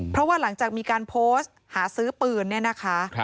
เพราะว่าหลังจากมีการโพสต์หาซื้อปืนเนี่ยนะคะ